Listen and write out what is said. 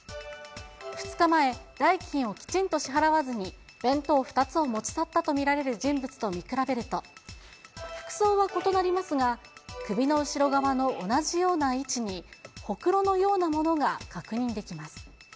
２日前、代金をきちんと支払わずに、弁当２つを持ち去ったと見られる人物と見比べると、服装は異なりますが、首の後ろ側の同じような位置に、ほくろのようなものが確認できます。